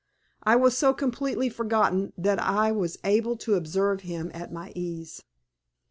I was so completely forgotten that I was able to observe him at my ease.